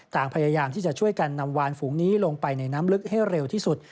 ต่างพยายามที่จะช่วยกันนำวานฝูงนี้ลงไปในน้ำลึกให้เร็วที่สุด